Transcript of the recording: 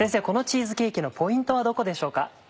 このチーズケーキのポイントはどこでしょうか？